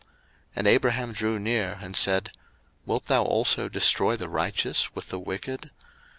01:018:023 And Abraham drew near, and said, Wilt thou also destroy the righteous with the wicked?